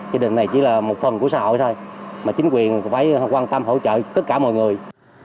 gia đình này chỉ là một phần của xã hội thôi mà chính quyền phải quan tâm hỗ trợ tất cả mọi người